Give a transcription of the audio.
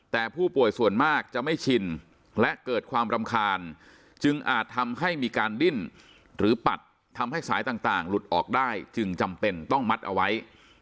แต่ผู้ป่วยส่วนมากจะไม่ชินและเกิดความรำคาญจึงอาจทำให้มีการดิ้นหรือปัดทำให้สายต่างหลุดออกได้จึงจำเป็นต้องมัดเอาไว้